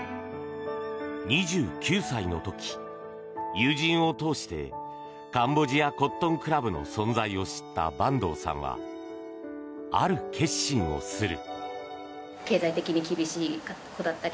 ２９歳の時、友人を通してカンボジアコットンクラブの存在を知った板東さんはある決心をする。